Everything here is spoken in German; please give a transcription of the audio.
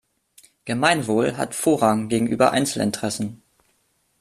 Gemeinwohl hat Vorrang gegenüber Einzelinteressen.